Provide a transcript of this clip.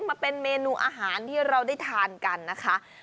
มาเป็นเมนูอาหารที่เราได้ทานกันนะคะ